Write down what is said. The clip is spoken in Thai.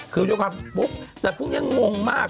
คือเรียกว่าปุ๊บแต่พรุ่งนี้งงมาก